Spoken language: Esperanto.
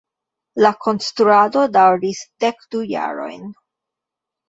La konstruado daŭris dek du jarojn.